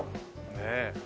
ねえ。